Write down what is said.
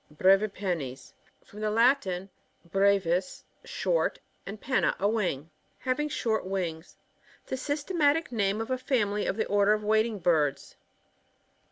Bkkvipennes. — From the Latin, 6re via, short, and penna, a wing. Having short wings. The syste matic name of a family of the order of wading birds.